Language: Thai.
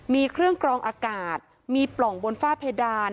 มีเครื่องกรองอากาศมีปล่องบนฝ้าเพดาน